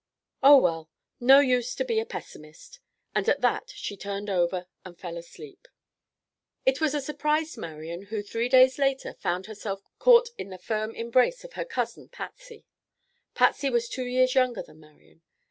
"Oh, well, no use to be a pessimist," and at that she turned over and fell asleep. It was a surprised Marian who three days later found herself caught in the firm embrace of her cousin, Patsy. Patsy was two years younger than Marian.